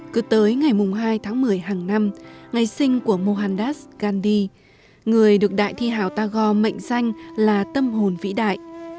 cứ tới ngày hai tháng một mươi hàng năm ngày sinh của mohandas gandhi người được đại thi hào tagore mệnh danh là tâm hồn vĩ đại